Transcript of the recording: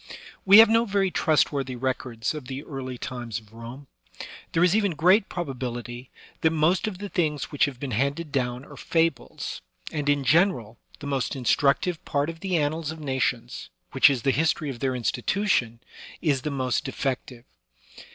We have no very trustworthy records of the early times of Rome; there is even great probability that most of the things which have been handed down are fables, and in general, the most instructive part of the annals of nations, which is the history of their institution, is the most defective.